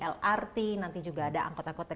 lrt nanti juga ada angkota angkota